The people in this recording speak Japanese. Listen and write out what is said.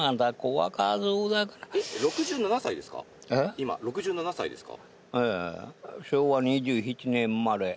今６７歳ですか？